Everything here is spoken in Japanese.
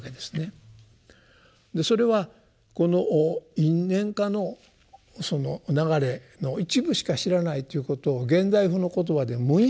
それはこの「因・縁・果」のその流れの一部しか知らないということを現代風の言葉で無意識の。